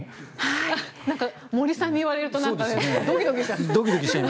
なんか森さんに言われるとなんかドキドキしちゃう。